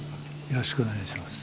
よろしくお願いします。